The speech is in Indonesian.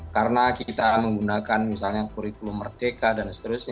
karena kita menggunakan misalnya kurikulum merdeka dan seterusnya